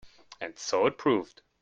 And so it proved.